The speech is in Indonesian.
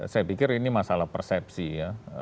saya pikir ini masalah persepsi ya